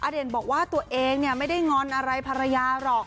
เด่นบอกว่าตัวเองไม่ได้งอนอะไรภรรยาหรอก